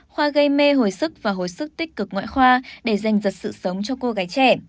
khoa gây mê hồi sức và hồi sức tích cực ngoại khoa để giành giật sự sống cho cô gái trẻ